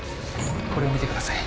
これを見てください。